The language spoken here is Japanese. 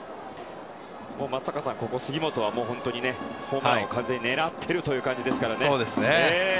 松坂さん、ここ杉本はホームランを完全に狙っているという感じですからね。